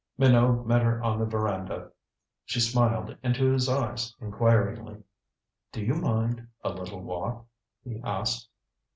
Minot met her on the veranda. She smiled into his eyes inquiringly. "Do you mind a little walk?" he asked.